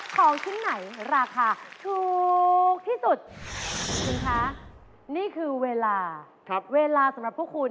ของชิ้นไหนราคาถูกที่สุด